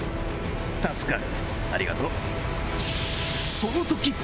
助かるありがとう。